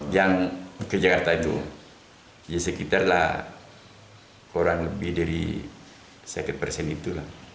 kalau ke jakarta itu ya sekitar lah kurang lebih dari sekit persen itulah